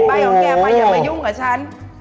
หอยชอบปลา